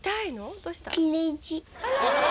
どうした？」